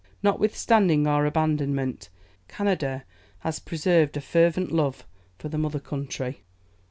Notwithstanding our abandonment, Canada has preserved a fervent love for the mother country.